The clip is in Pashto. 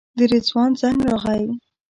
د رضوان زنګ راغی.